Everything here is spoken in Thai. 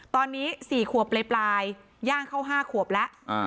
ตอนนี้๔ขวบปลายย่างเข้า๕ขวบแล้ว